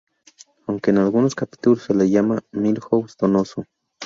Aunque en algunos capítulos se le llama Milhouse Donoso.